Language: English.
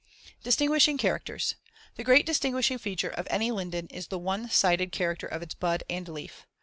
] Distinguishing characters: The great distinguishing feature of any linden is the *one sided* character of its *bud* and *leaf*.